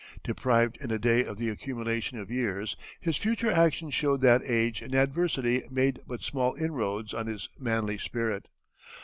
Deprived in a day of the accumulation of years, his future actions showed that age and adversity made but small inroads on his manly spirit.